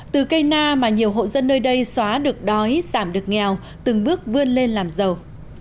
từ cây na mà nhiều hộ dân nơi đây xóa được đói giảm được nghèo từng bước vươn lên làm giàu